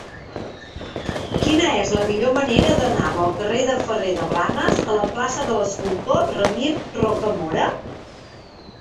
Quina és la millor manera d'anar del carrer de Ferrer de Blanes a la plaça de l'Escultor Ramir Rocamora?